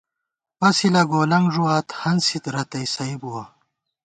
پَسِلہ گولَنگہ ݫُوات ، ہنسِت رتئ سَئ بُوَہ